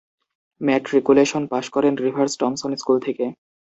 Matriculation পাশ করেন Rivers Thomson school থেকে।